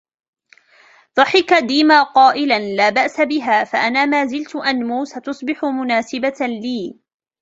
ضحك ديما قائلًا: " لا بأس بها ، فأنا ما زلت أنمو. ستصبح مناسبة لي ".